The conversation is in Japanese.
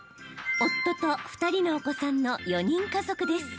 夫と２人のお子さんの４人家族です。